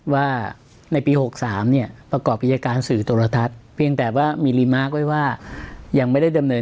ว่าในปี๖๓เนี่ยประกอบพิจารณ์สื่อตลทัศน์